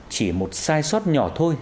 chỉ một sai sót nhỏ thôi